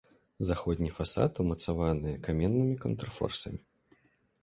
Заходні фасад умацаваныя каменнымі контрфорсамі.